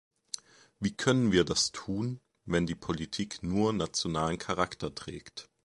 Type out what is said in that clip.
Wie können wir das tun, wenn die Politik nur nationalen Charakter trägt?